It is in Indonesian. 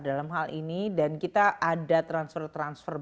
dan kita ada transfer transfer